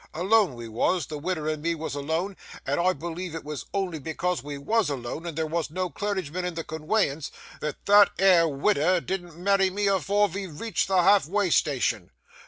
Alone we wos; the widder and me wos alone; and I believe it wos only because we wos alone and there wos no clergyman in the conwayance, that that 'ere widder didn't marry me afore ve reached the half way station.